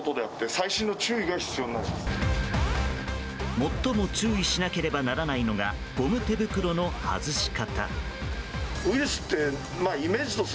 最も注意しなければならないのがゴム手袋の外し方。